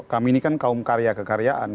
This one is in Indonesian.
kami ini kan kaum karya kekaryaan